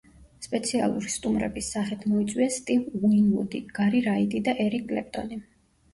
სპეციალური სტუმრების სახით მოიწვიეს სტივ უინვუდი, გარი რაიტი და ერიკ კლეპტონი.